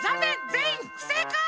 ぜんいんふせいかい！